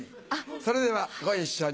それではご一緒に。